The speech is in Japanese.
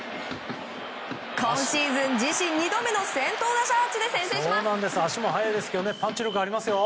今シーズン、自身２度目の先頭打者アーチで先制します。